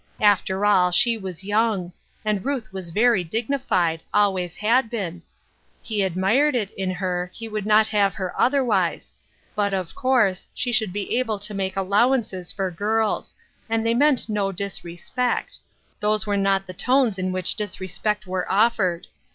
After all, she was young ; and Ruth was very dig nified — always had been; he admired it in her; he would not have her otherwise ; but, of course, she should be able to make allowances for girls ; and they meant no disrespect ; those were not the tones in which disrespect were offered.